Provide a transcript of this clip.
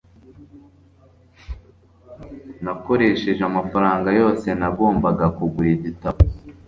nakoresheje amafaranga yose nagombaga kugura igitabo